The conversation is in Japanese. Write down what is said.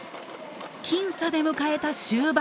僅差で迎えた終盤。